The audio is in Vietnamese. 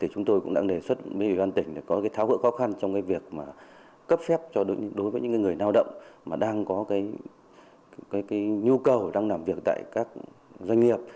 chúng tôi cũng đã đề xuất ubnd tỉnh có tháo gỡ khó khăn trong việc cấp phép cho những người lao động đang có nhu cầu làm việc tại các doanh nghiệp